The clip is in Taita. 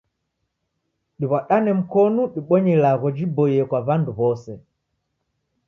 Ditw'adane mkonu dibonye ilagho jiboie kwa w'andu w'ose